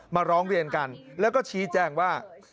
มาร้องเรียนกันแล้วก็ชี้แจงว่า